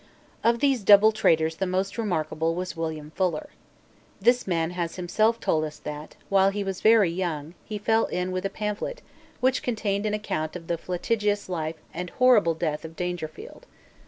Of these double traitors the most remarkable was William Fuller. This man has himself told us that, when he was very young, he fell in with a pamphlet which contained an account of the flagitious life and horrible death of Dangerfield.